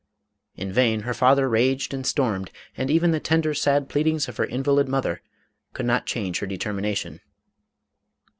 In vain her father raged and stormed, and even the tender, sad pleadings of her invalid mother could not change her determination.